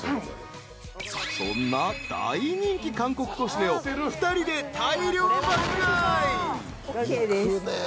［そんな大人気韓国コスメを２人で大量爆買い］